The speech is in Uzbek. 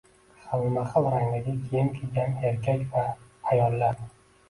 Xilma-xil rangdagi kiyim kiygan erkak va ayollar